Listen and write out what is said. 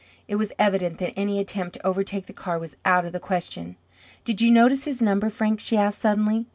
It was evident that any attempt to overtake the car was out of the question. "Did you notice his number, Frank?" she asked, suddenly.